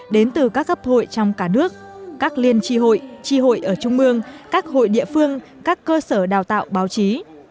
đến từ các gấp hội trong cả nước các liên tri hội tri hội ở trung mương các hội địa phương các cơ sở đào tạo báo chí